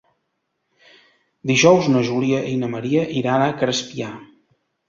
Dijous na Júlia i na Maria iran a Crespià.